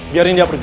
biarin dia pergi